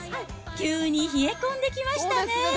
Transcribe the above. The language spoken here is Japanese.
急に冷え込んできましたね。